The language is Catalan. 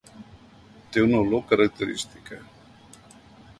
Té una olor característica.